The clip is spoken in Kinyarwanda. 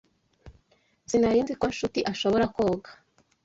Sinari nzi ko Nshuti ashobora koga.